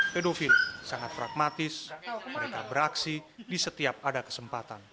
pedofil sangat pragmatis mereka beraksi di setiap ada kesempatan